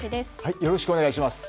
よろしくお願いします。